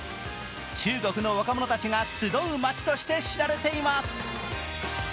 中国の若者たちが集う街として知られています。